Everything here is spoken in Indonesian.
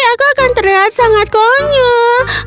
aku akan terlihat sangat konyol